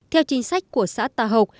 theo chính sách của xã tà hộc